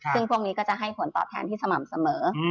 ซึ่งพวกนี้ก็จะให้ผลตอบแทนที่สม่ำเสมอ